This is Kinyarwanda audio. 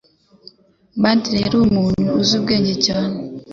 Biddle yari umuntu uzi ubwenge cyane.